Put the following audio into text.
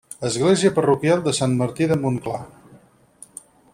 Església parroquial de Sant Martí de Montclar.